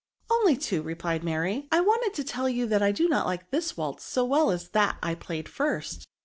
" Only two/' replied Mary. " I wanted to tell you that I do not like this waltz so well as that I played first."